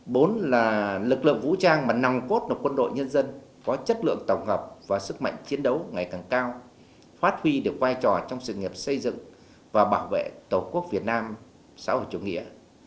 bốn là lực lượng vũ trang mà nòng cốt được quân đội nhân dân có chất lượng tổng hợp và sức mạnh chiến đấu ngày càng cao phát huy được vai trò trong sự nghiệp xây dựng và bảo vệ tổ quốc việt nam xã hội chủ nghĩa